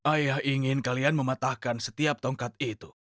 ayah ingin kalian mematahkan setiap tongkat itu